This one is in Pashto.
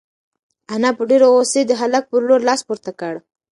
انا په ډېرې غوسې د هلک په لور لاس پورته کړ.